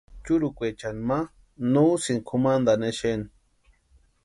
Churukwaechani ma no úsïnti kʼumantani exeni.